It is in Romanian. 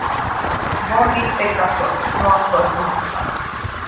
Vom fi spectatori, nu actori principali.